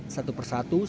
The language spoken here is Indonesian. satu persatu santri